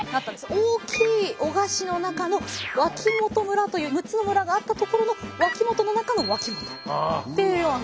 大きい男鹿市の中の脇本村という６つの村があった所の脇本の中の脇本というような。